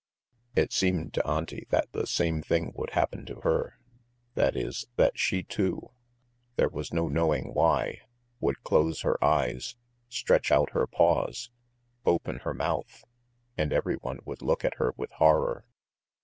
It seemed to Auntie that the same thing would happen to her, that is, that she too, there was no knowing why, would close her eyes, stretch out her paws, open her mouth, and everyone would look at her with horror.